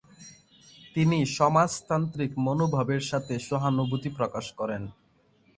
তিনি সমাজতান্ত্রিক মনোভাবের সাথে সহানুভূতি প্রকাশ করেন।